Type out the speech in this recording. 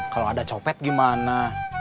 kalau ada copet gimana